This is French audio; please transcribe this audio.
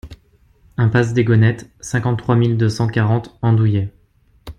Impasse des Gonettes, cinquante-trois mille deux cent quarante Andouillé